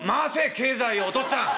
経済をお父っつぁん！